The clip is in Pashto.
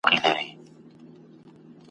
په هغه ګړي یې جنس وو پیژندلی !.